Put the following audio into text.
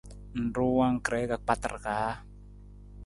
Ng ruu angkre ka kpatar kaa?